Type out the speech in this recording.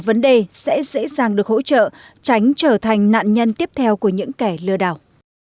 vấn đề sẽ dễ dàng được hỗ trợ tránh trở thành nạn nhân tiếp theo của những kẻ lừa đảo